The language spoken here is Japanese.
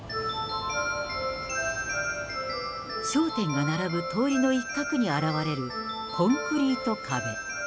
商店が並ぶ通りの一角に現れるコンクリート壁。